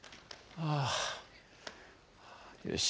「ああよし」。